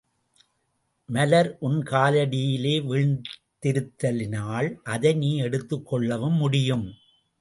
மலர் உன் காலடியிலேயே வீழ்ந்திருத்தலினால் அதை நீ எடுத்துக்கொள்ளவும் முடியும்.